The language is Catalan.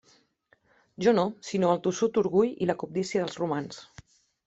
Jo no; sinó el tossut orgull i la cobdícia dels romans.